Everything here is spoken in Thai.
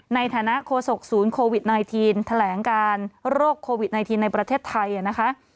ในฐานะโฆษกศูนย์โควิด๑๙แถลงการโรคโควิด๑๙ในประเทศไทยนะคะ